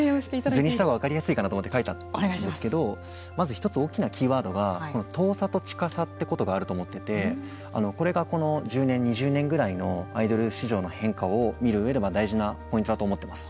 図にしたほうが分かりやすいかなと思って書いたんですけどまず１つ大きなキーワードが遠さと近さということがあると思っててこれがこの１０年２０年ぐらいのアイドル市場の変化を見るうえで大事なポイントだと思っています。